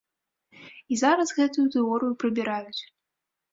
І зараз гэтую тэорыю прыбіраюць.